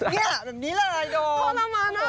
พอเรามั้ยนะ